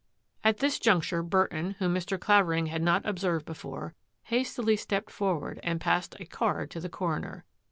At this juncture Burton, whom Mr. Clavering had not observed before, hastily stepped forward and passed a card to the coroner.